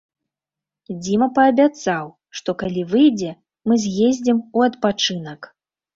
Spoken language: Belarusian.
Дзіма паабяцаў, што калі выйдзе, мы з'ездзім у адпачынак.